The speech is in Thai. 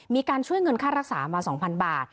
มีการช่วยเงินค่ารักษามา๒๐๐บาท